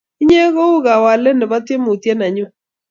inye ko u kawalet nebo tiemutiet ne nyun